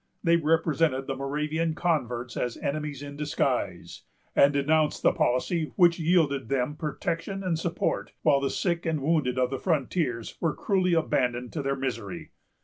They represented the Moravian converts as enemies in disguise, and denounced the policy which yielded them protection and support while the sick and wounded of the frontiers were cruelly abandoned to their misery.